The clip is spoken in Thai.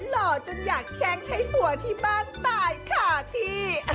หล่อจนอยากแช่งให้ผัวที่บ้านตายขาดที่